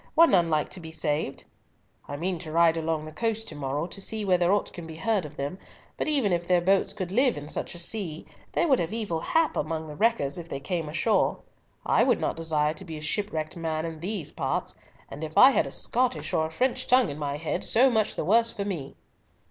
Were none like to be saved?" "I mean to ride along the coast to morrow, to see whether aught can be heard of them, but even if their boats could live in such a sea, they would have evil hap among the wreckers if they came ashore. I would not desire to be a shipwrecked man in these parts, and if I had a Scottish or a French tongue in my head so much the worse for me."